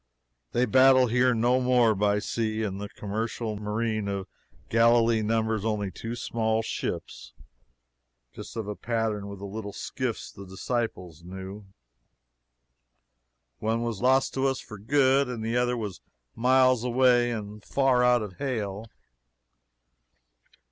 They battle here no more by sea, and the commercial marine of Galilee numbers only two small ships, just of a pattern with the little skiffs the disciples knew. One was lost to us for good the other was miles away and far out of hail.